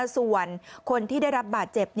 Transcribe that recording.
ส่วนคนที่ได้รับบาดเจ็บ